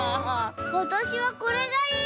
わたしはこれがいい！